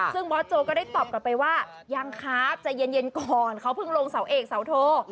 ซึ่งบอสโจก็ได้ตอบกลับไปว่ายังครับใจเย็นก่อนเขาเพิ่งลงเสาเอกเสาโท